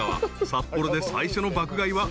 札幌で最初の爆買いは］